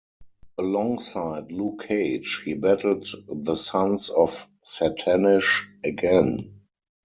Alongside Luke Cage, he battled the Sons of Satannish again.